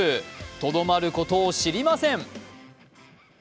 とどまることを知りません。